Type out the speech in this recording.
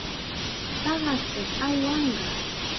Paqaspash aywanqa.